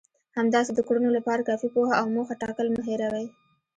همداسې د کړنو لپاره کافي پوهه او موخه ټاکل مه هېروئ.